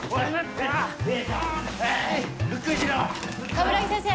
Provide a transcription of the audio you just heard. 鏑木先生